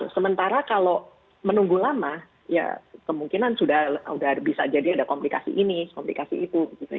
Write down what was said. sementara kalau menunggu lama ya kemungkinan sudah bisa jadi ada komplikasi ini komplikasi itu